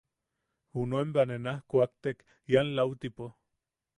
Junuen bea ne naj kuaktek ian lautipo.